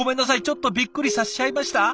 ちょっとびっくりさせちゃいました？